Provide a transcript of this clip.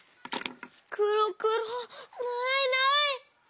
くろくろないない！